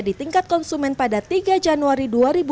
di tingkat konsumen pada tiga januari dua ribu dua puluh